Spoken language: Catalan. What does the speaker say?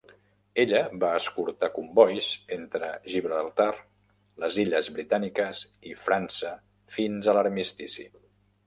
Ella va escortar combois entre Gibraltar, les Illes Britàniques i França fins a l'Armistici.